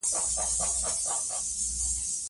نوم یې به په زرینو کرښو لیکل سوی وو.